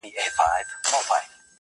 چاته که سکاره یمه اېرې یمه,